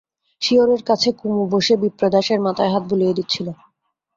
শিয়রের কাছে কুমু বসে বিপ্রদাসের মাথায় হাত বুলিয়ে দিচ্ছিল।